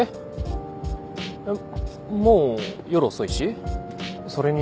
えもう夜遅いしそれに。